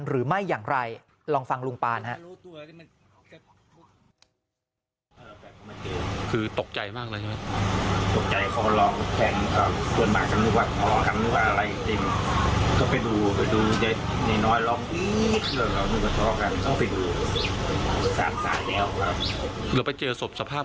หรือไม่อย่างไรลองฟังลุงปานฮะ